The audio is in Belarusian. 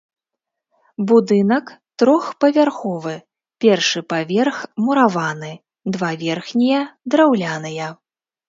Будынак трохпавярховы, першы паверх мураваны, два верхнія драўляныя.